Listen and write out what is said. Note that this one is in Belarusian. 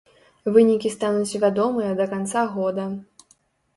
Вынікі стануць вядомыя да канца года.